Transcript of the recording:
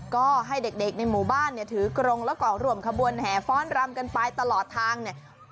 ก็ให้เด็กในหมู่บ้านเนี่ยถือกรงแล้วก็ร่วมขบวนแห่ฟ้อนรำกันไปตลอดทางเนี่ย